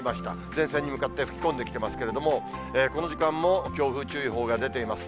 前線に向かって吹き込んできていますけれども、この時間も強風注意報が出ています。